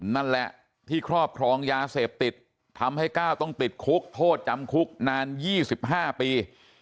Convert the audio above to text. นั่นแหละที่ครอบครองยาเสพติดทำให้ก้าวต้องติดคุกโทษจำคุกนาน๒๕ปี